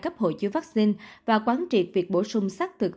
cấp hội chứa vaccine và quán triệt việc bổ sung xác thực